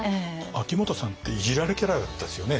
秋元さんっていじられキャラだったんですよね。